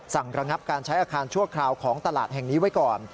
ระงับการใช้อาคารชั่วคราวของตลาดแห่งนี้ไว้ก่อน